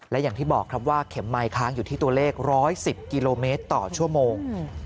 และอย่างที่บอกครับว่าเข็มไมค์ค้างอยู่ที่ตัวเลข๑๑๐กิโลเมตรต่อชั่วโมง